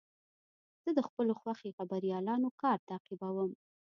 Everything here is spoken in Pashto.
زه د خپلو خوښې خبریالانو کار تعقیبوم.